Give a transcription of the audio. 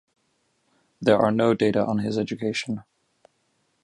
There are no data on his education.